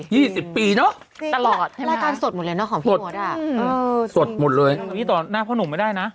ยี่สิบปีเนอะตลอดใช่ไหมคะสดสดหมดเลยนี่ตอนน่าพ่อหนุ่มไม่ได้นะ